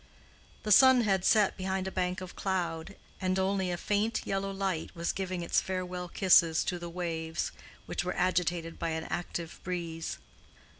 The sun had set behind a bank of cloud, and only a faint yellow light was giving its farewell kisses to the waves, which were agitated by an active breeze.